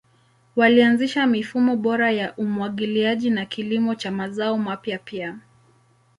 Walianzisha mifumo bora ya umwagiliaji na kilimo cha mazao mapya pia.